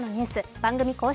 番組公式